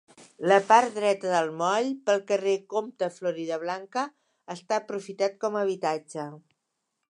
La part dreta del moll pel carrer Comte Floridablanca està aprofitat com a habitatge.